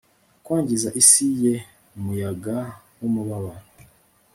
Kwangiza isi ye umuyaga wumubabaro